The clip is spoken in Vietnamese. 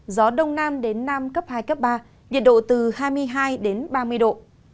gió đông nam đến nam cấp hai cấp ba nhiệt độ từ hai mươi hai đến ba mươi độ